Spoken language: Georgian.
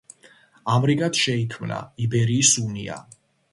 ამრიგად შეიქმნა იბერიის უნია.